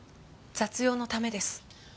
雑用のためです。